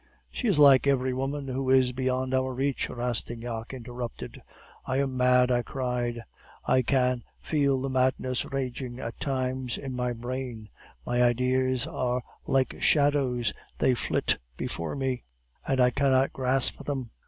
"'She is like every woman who is beyond our reach,' Rastignac interrupted. "'I am mad,' I cried; 'I can feel the madness raging at times in my brain. My ideas are like shadows; they flit before me, and I cannot grasp them.